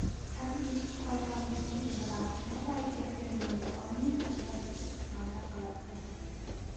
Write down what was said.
سەللا كېچىكىپ قالسام سۆيگۈ بېغىدا، مەرۋايىتتەك كۆرۈنگەن بۇ ئالمىنى باشقىلا ئۈزۈپ كېتىدىغاندەك قىلاتتى.